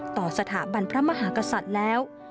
ต่อสถาบันพระมหากษัตริย์แล้ว